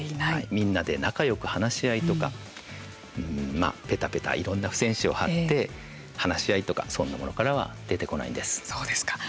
みんなで仲よく話し合いとかぺたぺた、いろんな付箋紙を貼って話し合いとかそんなものからは出てこないんです。